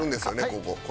ここ。